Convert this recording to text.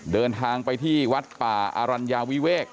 เดินทางไปที่วัดป่าอรัญญาวิเวก